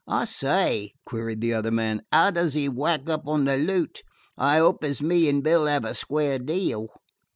"I say," queried the other man, "'ow does 'e whack up on the loot? I 'ope as me and Bill 'ave a square deal."